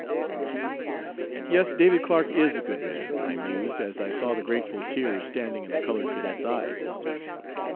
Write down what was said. "'Yes, David Clark is a good man,' I mused, as I saw the grateful tears standing in the colored cadet's eyes.